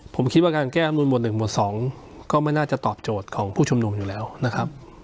ผมคิดว่าการแก้อำนวนหวด๑หมวด๒ก็ไม่น่าจะตอบโจทย์ของผู้ชุมนุมอยู่แล้วนะครับ